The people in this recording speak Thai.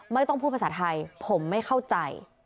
ไม่ต้องพูดภาษาไทยผมไม่เข้าใจ